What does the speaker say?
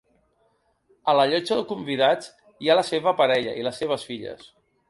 A la llotja de convidats hi ha la seva parella i les seves filles.